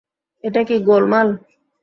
এটা কি গোলমাল?